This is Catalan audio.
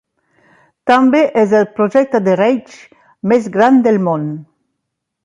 També és el projecte de reg més gran del món.